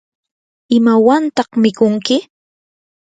¿imawantaq mikunki?